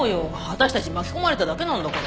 私たち巻き込まれただけなんだから。